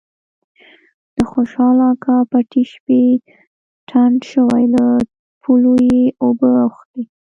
د خوشال اکا پټی شپې ډنډ شوی له پولو یې اوبه اوختي.